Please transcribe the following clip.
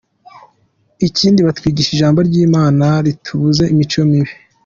Ikindi batwigisha ijambo ry’Imana ritubuza imico mibi.